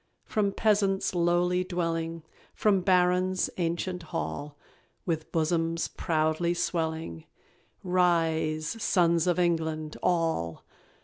From peasant's lowly dwelling; From baron's ancient hall, With bosoms proudly swelling, Rise! sons of England, ALL!